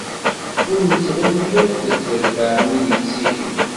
Ur nettɣimi ara akked trebbaɛ n wid yettihin.